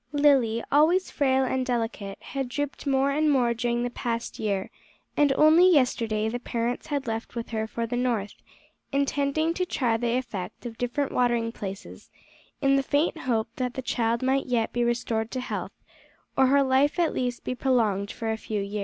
Lily, always frail and delicate, had drooped more and more during the past year, and only yesterday the parents had left with her for the North, intending to try the effect of different watering places, in the faint hope that the child might yet be restored to health, or her life at least be prolonged for a few years.